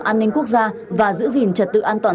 an ninh quốc gia và giữ gìn trật tự an toàn